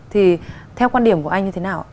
thì theo quan điểm của anh như thế nào